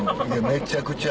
めちゃくちゃ。